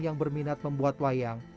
yang berminat membuat wayang